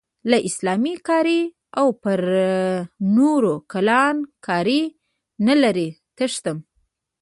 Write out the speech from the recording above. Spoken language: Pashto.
له اسلام کارۍ او پر نورو کلان کارۍ نه لرې تښتم.